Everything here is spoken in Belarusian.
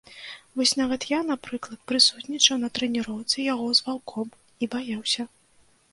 Вось нават я, напрыклад, прысутнічаў на трэніроўцы яго з ваўком і баяўся.